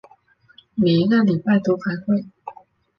每一个礼拜都开会。